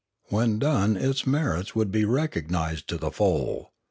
When done its merits would be Ethics 577 recognised to the full.